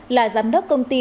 là giám đốc công ty